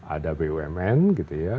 ada bumn gitu ya